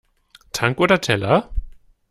Tank oder Teller?